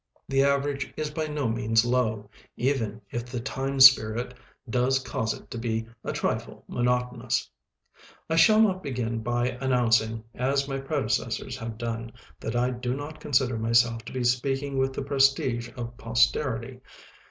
The average is by no means low, even if the "time spirit" does cause it to be a trifle monotonous. I shall not begin by announcing, as THE POEMS OF THE MONTH 405 my predecessors have done, that I do not consider myself to be speaking with the prestige of posterity.